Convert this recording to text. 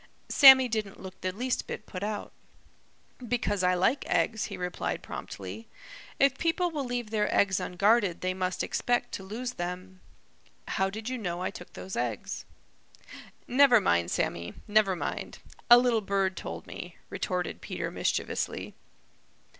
Sammy didn't look the least bit put out. "Because I like eggs," he replied promptly. "If people will leave their eggs unguarded they must expect to lose them. How did you know I took those eggs?" "Never mind, Sammy; never mind. A little bird told me," retorted Peter mischievously.